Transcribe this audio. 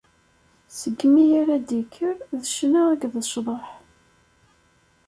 Seg mi ara ad d-ikker d ccna akked cḍeḥ.